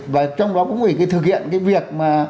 và trong đó cũng phải thực hiện cái việc mà